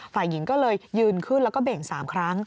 ฝ่ายหญิงก็เลยยืนขึ้นแล้วก็เบ่ง๓ครั้ง